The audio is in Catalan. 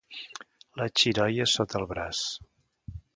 Les Xiroies sota el braç.